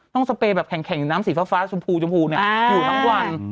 ต้องสเปรย์แบบแข็งน้ำสีฟ้าชมพูอยู่ทั้งวัน